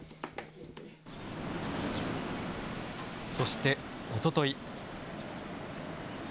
そしておととい。